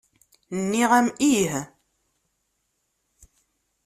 Nniɣ-am ih.